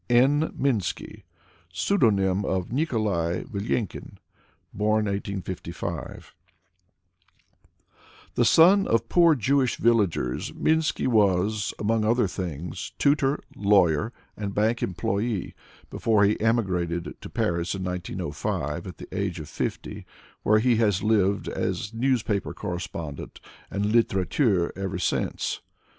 N. Minsky (Pseudonym of Nikolai Vilenkin; born XS55) The son of poor Jewish villagers, Minsky was, among other things, tutor, lawyer, and bank employee, before he emigrated to Paris in 1905, at the age of fifty, where he has lived as newspaper correspondent and litterateur ever since.